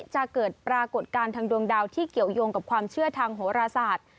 จะเกิดปรากฏการณ์ทางดวงดาวที่เกี่ยวยงกับความเชื่อทางโหราศาสตร์